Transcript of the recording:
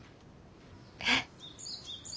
えっ。